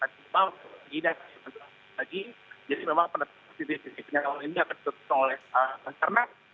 jadi memang penutup titik titik yang akan ditutup oleh ternak